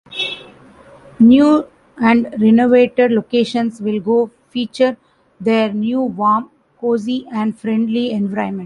New and renovated locations will go feature their new warm, cozy and friendly environment.